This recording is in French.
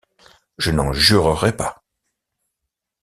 Je n’en jurerais pas !